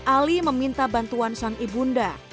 ali meminta bantuan sang ibunda